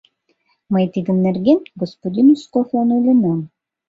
Мый тиде нерген господин Узковлан ойленам...